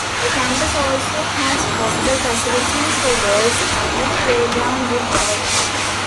The campus also has hostel facilities for girls and a play ground with gallery.